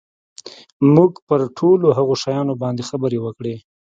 موږ پر ټولو هغو شیانو باندي خبري وکړې.